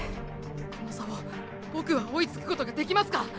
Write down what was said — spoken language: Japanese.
この差をボクは追いつくことができますか？